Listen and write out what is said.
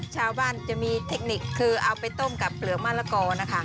ชาวบ้านจะมีเทคนิคคือเอาไปต้มกับเปลือกมะละกอนะคะ